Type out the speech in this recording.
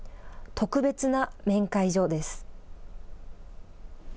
特別な面会所です。